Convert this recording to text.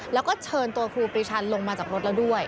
แล้วก็เชิญตัวครูปรีชาลงมาจากรถแล้วด้วย